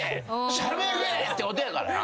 しゃべれってことやからな。